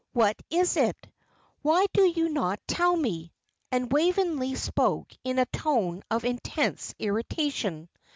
What is it? Why do you not tell me?" and Waveney spoke in a tone of intense irritation.